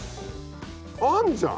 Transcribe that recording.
あんじゃん。